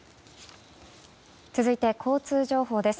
続いて交通情報です。